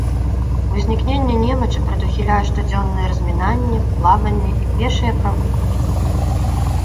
Узнікненне немачы прадухіляе штодзённае размінанне, плаванне і пешыя прагулкі.